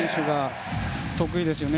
得意ですよね。